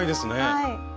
はい！